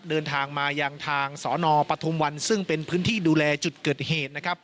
เดินทางมายังทางสนปฐุมวันซึ่งเป็นพื้นที่ดูแลจุดเกิดเหตุนะครับ